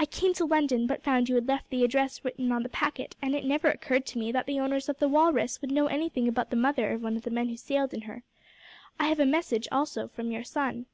I came to London, but found you had left the address written on the packet, and it never occurred to me that the owners of the Walrus would know anything about the mother of one of the men who sailed in her. I have a message also from your son."